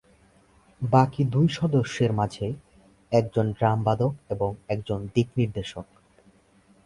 বাকি দুই সদস্যের মাঝে একজন ড্রাম বাদক এবং একজন দিক নির্দেশক।